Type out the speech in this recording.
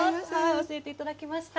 教えていただきました。